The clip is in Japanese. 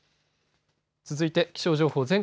続いて気象情報。